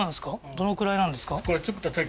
どのくらいなんですか？